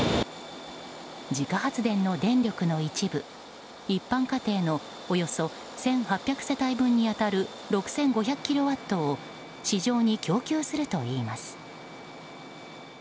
自家発電の電力の一部一般家庭のおよそ１８００世帯分に当たる６５００キロワットを市場に供給するといいます。